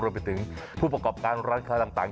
รวมไปถึงผู้ประกอบการร้านของเราต่าง